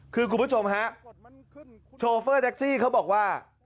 คือคุณผู้ชมฮะโชเฟอร์แท็กซี่เขาบอกว่า